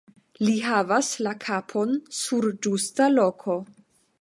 Li havas la kapon sur ĝusta loko.